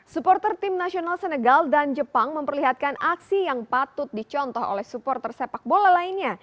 supporter tim nasional senegal dan jepang memperlihatkan aksi yang patut dicontoh oleh supporter sepak bola lainnya